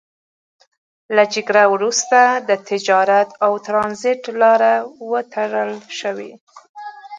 له جګړو وروسته د تجارت او ترانزیت لارې وتړل شوې.